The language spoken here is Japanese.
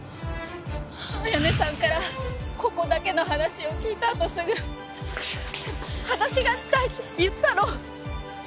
彩音さんから「ここだけの話」を聞いたあとすぐ話がしたいって言ったの。